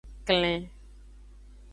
Klen.